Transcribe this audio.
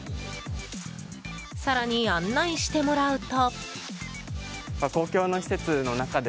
更に案内してもらうと。